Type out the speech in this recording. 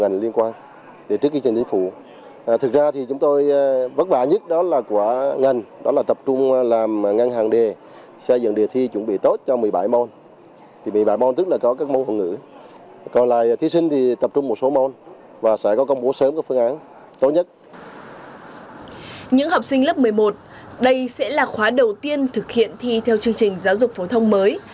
những học sinh lớp một mươi một đây sẽ là khóa đầu tiên thực hiện thi theo chương trình giáo dục phổ thông mới